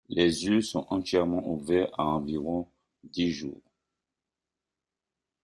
Leurs yeux sont entièrement ouverts à environ dix jours.